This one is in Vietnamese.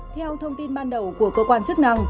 theo thông tin ban đầu của cơ quan chức năng